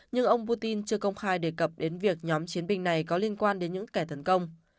nhưng ông putin chưa công khai đề cập đến việc nhóm chiến binh này có liên quan đến những kẻ tấn công